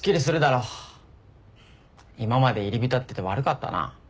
今まで入り浸ってて悪かったな。